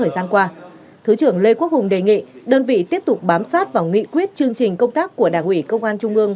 thời gian qua thứ trưởng lê quốc hùng đề nghị đơn vị tiếp tục bám sát vào nghị quyết chương trình công tác của đảng ủy công an trung ương